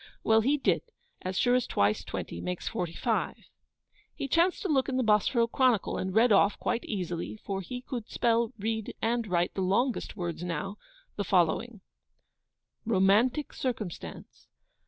Well, he did, as sure as twice twenty makes forty five) he chanced to look in the Bosforo Chronicle, and read off, quite easily (for he could spell, read, and write the longest words now), the following: 'ROMANTIC CIRCUMSTANCE.